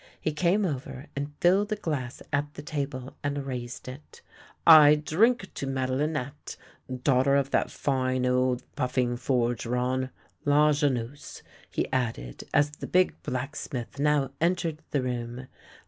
He came over and filled a glass at the table and raised it. " I drink to MadeHnette, daughter of that line old puffing forgeron, Lajeunesse," he added, as the big blacksmith now entered the room.